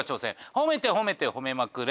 褒めて褒めて褒めまくれ！